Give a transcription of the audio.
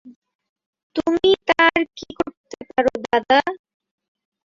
তুমি তার কী করতে পার দাদা?